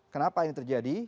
kenapa ini terjadi